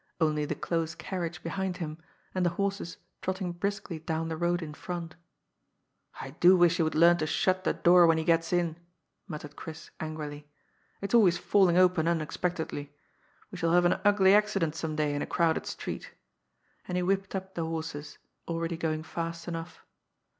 Only the close carriage behind him, and the horses trotting briskly down the road in front. " I do wish he would learn to shut the door when he gets in," muttered Chris angrily ;" it's always falling open un expectedly. We shall have an ugly accident some day in a crowded street," and he whipped up the horses, already going fast enough.